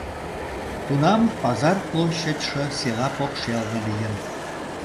Тунам пазар площадьше села покшелне лийын.